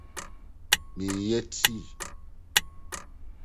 Mereyɛ tii.